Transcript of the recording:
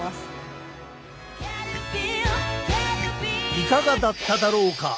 いかがだっただろうか？